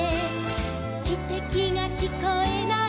「きてきがきこえない」